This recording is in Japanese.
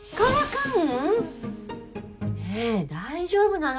ねえ大丈夫なの？